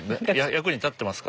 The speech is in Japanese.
役に立ってますか？